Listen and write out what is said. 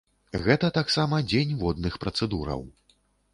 Гэта таксама дзень водных працэдураў.